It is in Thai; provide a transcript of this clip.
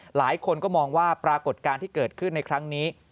หลายคนก็มองว่าปรากฏการณ์ที่เกิดขึ้นในครั้งนี้